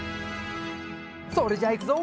それじゃいくぞ。